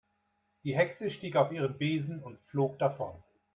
Die Hexe stieg auf ihren Besen und flog davon.